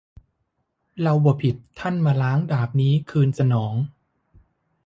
เราบ่ผิดท่านมล้าง ดาบนี้ คืนสนอง